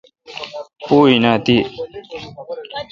پو این اؘ تی۔